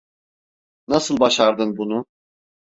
Nasıl başardın bunu?